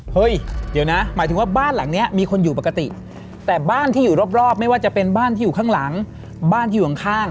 เฮ้ยเดี๋ยวนะหมายถึงว่าบ้านหลังนี้มีคนอยู่ปกติแต่บ้านที่อยู่รอบไม่ว่าจะเป็นบ้านที่อยู่ข้างหลังบ้านที่อยู่ข้าง